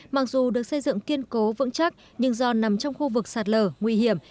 mặc dù được xây dựng kiên cố vững chắc nhưng do nằm trong khu vực sạt lở nguy hiểm